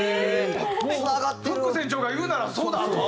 フック船長が言うならそうだ！と。